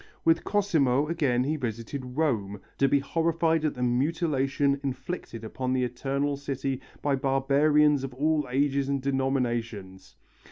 With Cosimo again he visited Rome, to be horrified at the mutilation inflicted upon the Eternal City by barbarians of all ages and denominations.